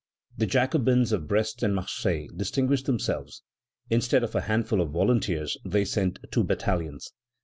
The Jacobins of Brest and Marseilles distinguished themselves. Instead of a handful of volunteers they sent two battalions.